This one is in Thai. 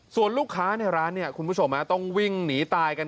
ส่วนลูกค้าในร้านเนี่ยคุณผู้ชมต้องวิ่งหนีตายกัน